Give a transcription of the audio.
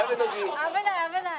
危ない危ない。